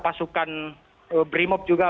pasukan bimob juga